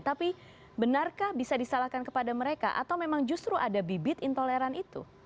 tapi benarkah bisa disalahkan kepada mereka atau memang justru ada bibit intoleran itu